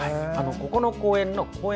ここの公園の公園